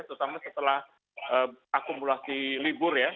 terutama setelah akumulasi libur ya